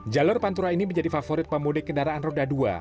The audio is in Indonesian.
jalur pantura ini menjadi favorit pemudik kendaraan roda dua